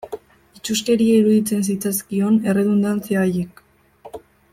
Itsuskeria iruditzen zitzaizkion erredundantzia haiek.